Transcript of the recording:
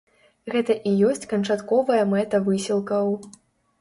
Гэта і ёсць канчатковая мэта высілкаў.